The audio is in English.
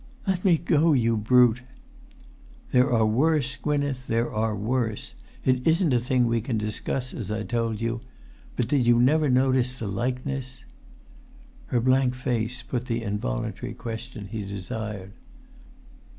"Let me go, you brute!" "There are worse, Gwynneth, there are worse. It isn't a thing we can discuss, as I told you. But did you never notice the likeness?" Her blank face put the involuntary question he desired.